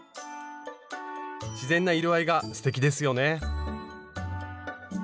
自然な色合いがすてきですよね。